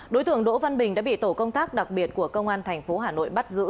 đối tượng đỗ văn bình đã bị tổ công tác đặc biệt của công an thành phố hà nội bắt giữ